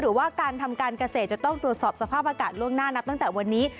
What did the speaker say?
หรือว่าการทำการเกษตรจะต้องตรวจสอบสภาพอากาศล่วงหน้านับตั้งแต่วันนี้